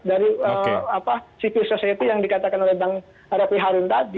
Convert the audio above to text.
dari civil society yang dikatakan oleh bang refli harun tadi